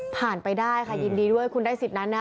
ไปได้ค่ะยินดีด้วยคุณได้สิทธิ์นั้นนะ